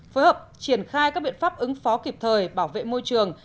phối hợp triển khai các biện pháp ứng phó kịp thời bảo vệ môi trường